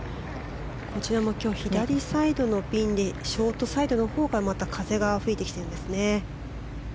こちらも今日左サイドのピンでショートサイドのほうがまた風が吹いてきているんですね。